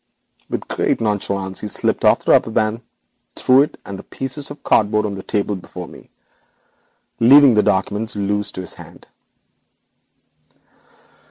With great nonchalance he slipped off the rubber band, threw it and the pieces of cardboard on the table before me, leaving the documents loose to his hand.